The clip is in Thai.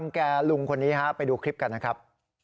แก่ลุงคนนี้ฮะไปดูคลิปกันนะครับ